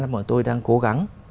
là bọn tôi đang cố gắng